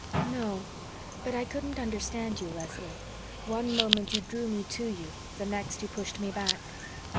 "No, but I couldn't understand you, Leslie. One moment you drew me to you the next you pushed me back."